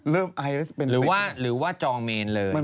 แล้วยังจะจองเมนเลย